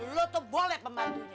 lo tuh boleh pembantunya ya